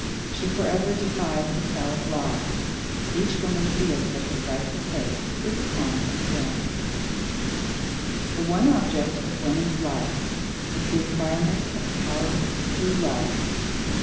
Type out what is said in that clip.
She forever defies the Salic law each woman feels that her rightful place is upon a throne. [Sidenote: The One Object] The one object of woman's life is the acquirement of power through love.